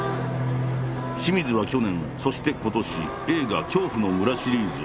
清水は去年そして今年映画「恐怖の村」シリーズを公開。